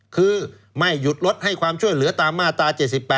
คือไม่หยุดรถให้ความช่วยเหลือตามมาตรา๗๘